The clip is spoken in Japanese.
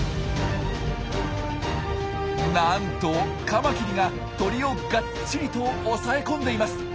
なんとカマキリが鳥をがっちりと押さえ込んでいます！